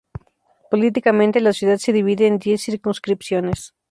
Políticamente, la ciudad se divide en diez circunscripciones.